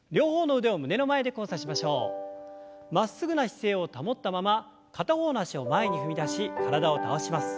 まっすぐな姿勢を保ったまま片方の脚を前に踏み出し体を倒します。